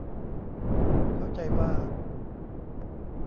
เข้าใจว่า